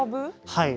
はい。